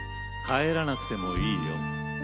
「帰らなくてもいいよ」